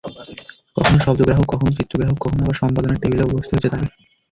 কখনো শব্দগ্রাহক, কখনো চিত্রগ্রাহক, কখনো আবার সম্পাদনার টেবিলেও বসতে হয়েছে তাঁকে।